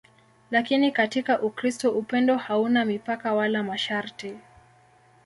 Lakini katika Ukristo upendo hauna mipaka wala masharti.